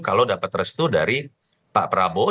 kalau dapat restu dari pak prabowo